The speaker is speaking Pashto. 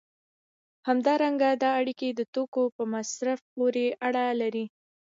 همدارنګه دا اړیکې د توکو په مصرف پورې اړه لري.